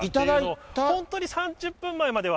本当に３０分前には。